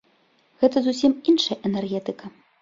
Гэта зусім іншая энергетыка.